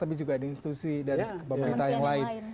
tapi juga di institusi dan pemerintah yang lain